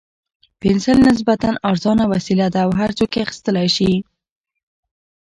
پنسل نسبتاً ارزانه وسیله ده او هر څوک یې اخیستلای شي.